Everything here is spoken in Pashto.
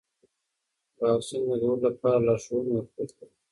د واکسین لګولو لپاره لارښوونې ورکول کېږي.